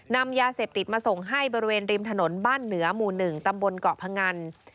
นำยาเสพติดมาส่งให้บริเวณริมถนนบ้านเหนือหมู่๑ตำบลเกาะพงัน